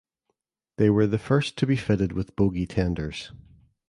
They were the first to be fitted with bogie tenders.